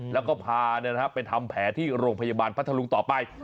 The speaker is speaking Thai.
แล้วก็พาไปทำแผลที่โรงพยาบาลพัทธรุงต่อไป